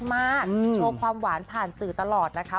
โชว์ความหวานผ่านสื่อตลอดนะคะ